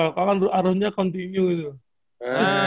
sekarang kan rutin trenannya terus